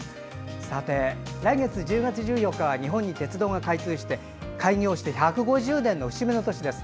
来月１０月１４日には日本に鉄道が開業して１５０年の節目の年です。